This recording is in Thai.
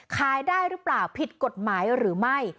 ขายได้หรือเปล่าผิดกฎหมายหรือไม่